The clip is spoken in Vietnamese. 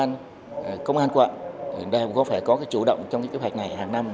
đảng quỹ ban tốc công an quận hiện nay cũng có phải có chủ động trong kế hoạch này hàng năm